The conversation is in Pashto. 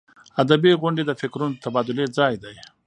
ادبي غونډې د فکرونو د تبادلې ځای دی.